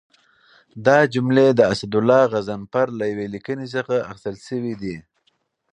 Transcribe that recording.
دا جملې د اسدالله غضنفر له یوې لیکنې څخه اخیستل شوي دي.